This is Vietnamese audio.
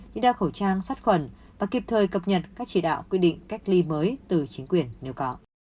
như đeo khẩu trang sát khuẩn và kịp thời cập nhật các chỉ đạo quy định cách ly mới từ chính quyền nếu có